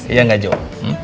ya enggak joe